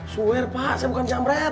swear pak saya bukan jamret